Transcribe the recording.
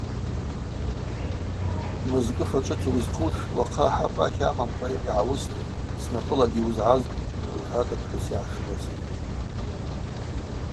Мызкӏы фачӏвыта йуызхъуш уахъа ахӏа пӏатла амамкӏва йгӏауыстпӏ, снапӏылагьи йуызгӏазгпӏ, – лхӏватӏ апхӏвыс йгӏашылыз.